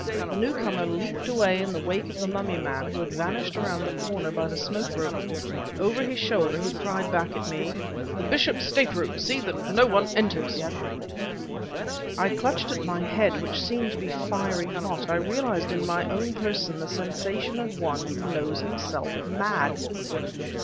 The newcomer leaped away in the wake of the mummy man who had vanished around the corner by the smoke room. Over his shoulder he cried back at me: "The bishop's stateroom! See that no one enters!" I clutched at my head which seemed to be fiery hot; I realized in my own person the sensation of one who knows himself mad.